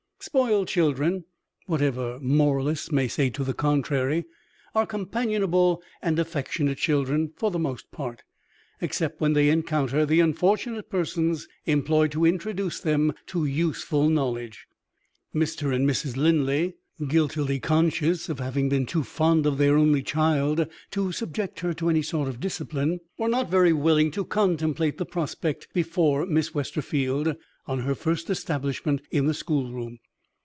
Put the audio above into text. Spoiled children (whatever moralists may say to the contrary) are companionable and affectionate children, for the most part except when they encounter the unfortunate persons employed to introduce them to useful knowledge. Mr. and Mrs. Linley (guiltily conscious of having been too fond of their only child to subject her to any sort of discipline) were not very willing to contemplate the prospect before Miss Westerfield on her first establishment in the schoolroom.